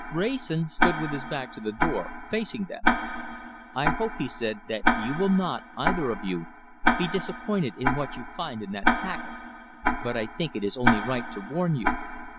Wrayson stood with his back to the door, facing them. "I hope," he said, "that you will not, either of you, be disappointed in what you find in that packet. But I think it is only right to warn you.